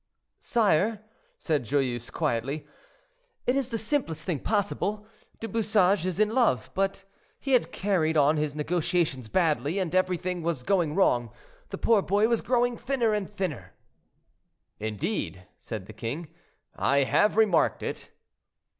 "Sire," said Joyeuse quietly, "it is the simplest thing possible. Du Bouchage is in love, but he had carried on his negotiations badly, and everything was going wrong; the poor boy was growing thinner and thinner." "Indeed," said the king, "I have remarked it."